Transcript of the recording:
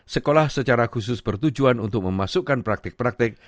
sekolah secara khusus bertujuan untuk memasukkan praktik praktik